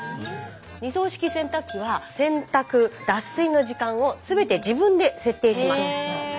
２槽式洗濯機は洗濯脱水の時間を全て自分で設定します。